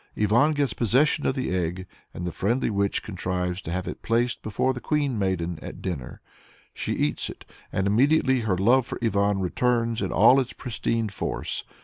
Ivan gets possession of the egg, and the friendly witch contrives to have it placed before the Queen Maiden at dinner. She eats it, and immediately her love for Ivan returns in all its pristine force.